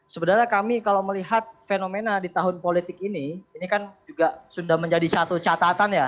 sebenarnya kami kalau melihat fenomena di tahun politik ini ini kan juga sudah menjadi satu catatan ya